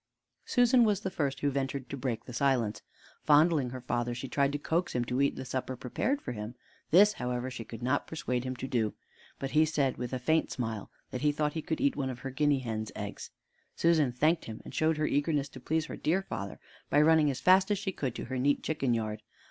Susan was the first who ventured to break the silence. Fondling her father, she tried to coax him to eat the supper prepared for him. This, however, she could not persuade him to do, but he said, with a faint smile, that he thought he could eat one of her guinea hen's eggs. Susan thanked him, and showed her eagerness to please her dear father by running as fast as she could to her neat chicken yard.